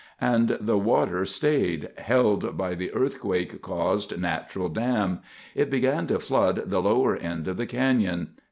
And the water stayed—held by the earthquake caused natural dam. It began to flood the lower end of the canyon.